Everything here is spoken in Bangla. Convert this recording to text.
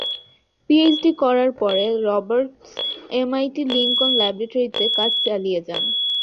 পিএইচডি করার পরে রবার্টস এমআইটি লিংকন ল্যাবরেটরিতে কাজ চালিয়ে যান।